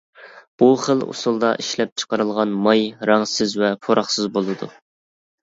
بۇ خىل ئۇسۇلدا ئىشلەپچىقىرىلغان ماي رەڭسىز ۋە پۇراقسىز بولىدۇ.